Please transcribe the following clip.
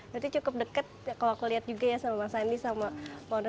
berarti cukup dekat kalau aku lihat juga ya sama mas andi sama pondok